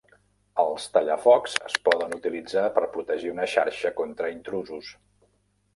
Els tallafocs es poden utilitzar per protegir una xarxa contra intrusos.